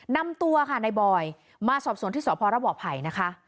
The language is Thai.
นำตัวค่ะในบอยมาสอบสวนที่สพรบภัยนะคะ